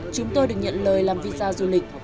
chúng tôi được nhận lời làm visa du lịch